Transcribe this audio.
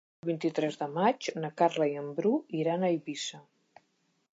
El vint-i-tres de maig na Carla i en Bru iran a Eivissa.